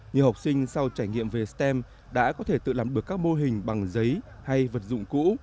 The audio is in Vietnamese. nhiều học sinh sau trải nghiệm về stem đã có thể tự làm được các mô hình bằng giấy hay vật dụng cũ